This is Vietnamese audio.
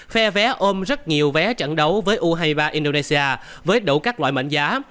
khoe vé ôm rất nhiều vé trận đấu với u hai mươi ba indonesia với đủ các loại mệnh giá